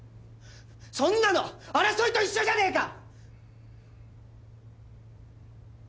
そんなの争いと一緒じゃねえか！